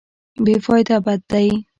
بې فایده بد دی.